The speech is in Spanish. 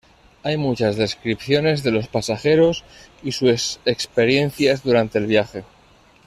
Hay muchas descripciones de los pasajeros y sus experiencias durante el viaje.